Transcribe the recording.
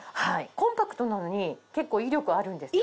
コンパクトなのに結構威力あるんですよ。